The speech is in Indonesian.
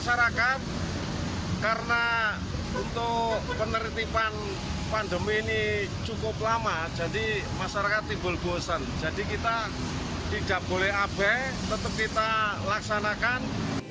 untuk penertipan pandemi ini cukup lama jadi masyarakat timbul bosan jadi kita tidak boleh abai tetap kita laksanakan